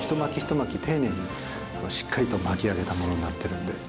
巻き丁寧にしっかりと巻き上げたものになってるんで。